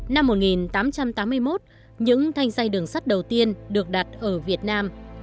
năm một nghìn tám trăm tám mươi một những thanh gia đường sắt đầu tiên được đặt ở việt nam